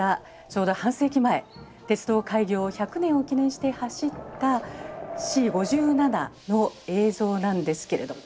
ちょうど半世紀前鉄道開業１００年を記念して走ったＣ５７の映像なんですけれど。